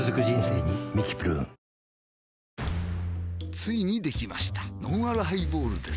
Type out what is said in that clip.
ついにできましたのんあるハイボールです